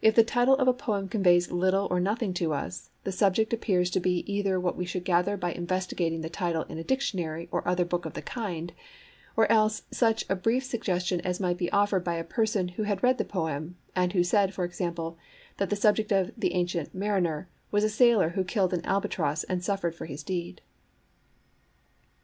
If the title of a poem conveys little or nothing to us, the 'subject' appears to[Pg 13] be either what we should gather by investigating the title in a dictionary or other book of the kind, or else such a brief suggestion as might be offered by a person who had read the poem, and who said, for example, that the subject of The Ancient Mariner was a sailor who killed an albatross and suffered for his deed.